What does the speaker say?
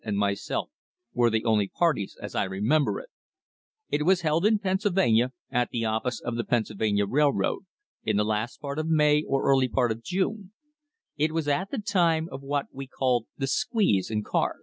and mvs elf were the only parties as I remember it; it was held in Pennsylvan.a, a, the oi 7,hf Pennsylvania* Llroad Company, in the las, part of May or early par, of June; , wa at the time of what we called the squeeze in car.